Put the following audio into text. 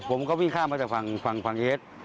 ผมก็วิ่งข้ามมาจากศ